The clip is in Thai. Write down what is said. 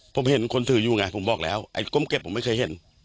ผมเห็นคนถืออยู่ไงผมบอกแล้วไอ้ก้มเก็บผมไม่เคยเห็น